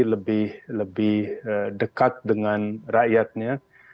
lebih dekat dengan rakyatnya